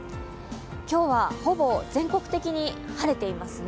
今日はほぼ全国的に晴れていますね。